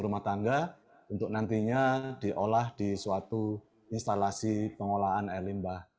rumah tangga untuk nantinya diolah di suatu instalasi pengolahan air limbah